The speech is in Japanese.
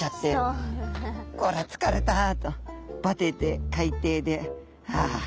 これは疲れたとバテて海底でああ